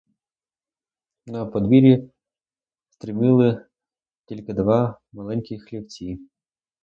На подвір'ї стриміли тільки два маленькі хлівці.